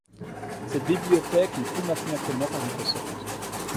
Cette bibliothèque n'est plus maintenue actuellement par Microsoft.